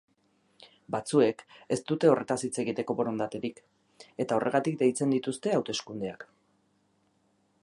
Batzuek ez dute horretaz hitz egiteko borondaterik, eta horregatik deitzen dituzte hauteskundeak.